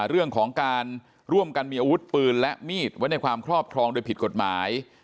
เรื่องของการร่วมกันมีอาวุธปืนและมีดไว้ในความครอบครองโดยผิดกฎหมาย